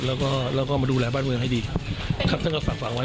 แล้วก็เราก็มาดูแลบ้านเมืองให้ดีครับครับท่านก็ฝากฝังไว้